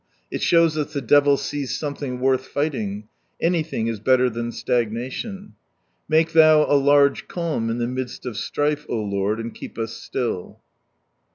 It shows us the devil sees something worth fighting; anything is better than stagnation. " Make Thou a large calm in the midst of strife," O Lord, and keep us still